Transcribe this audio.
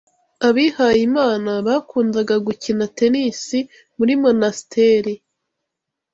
Abihayimana bakundaga gukina tennis muri monasiteri.